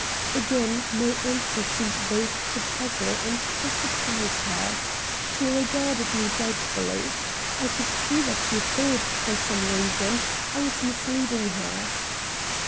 Again my answer seemed both to puzzle and to surprise her. She regarded me doubtfully. I could see that she thought, for some reason, I was misleading her.